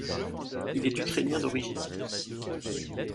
Il est Ukrainien d'origine.